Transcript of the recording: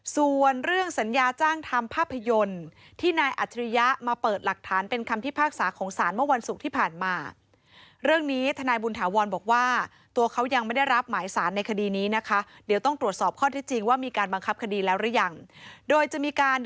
ส่วนเรื่องสัญญาจ้างทำภาพยนตร์ที่นายอัจฉริยะมาเปิดหลักฐานเป็นคำพิพากษาของศาลเมื่อวันศุกร์ที่ผ่านมา